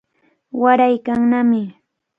Waraykannami.